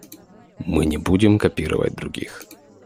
Мы не будем копировать других.